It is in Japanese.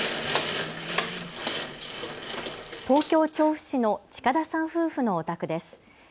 東京調布市の近田さん夫婦のお宅です。